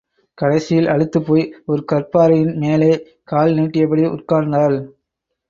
கடைசியில் அலுத்துப் போய் ஒரு கற்பாறையின் மேலே கால் நீட்டியபடி உட்கார்ந்தாள்.